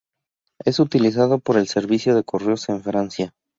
Es utilizado por el servicio de correos en Francia.